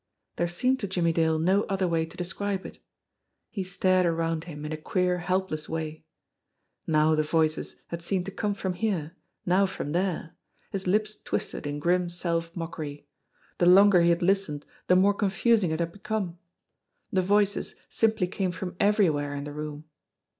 There seemed to Jimmie Dale no other way to describe it. He stared around him in a queer, helpless way. Now the voices had seemed to come from here, now from there. His lips twisted in grim self mockery. The longer he had listened the more confus THE VOICE 193 ing it had become. The voices simply came from everywhere in the room.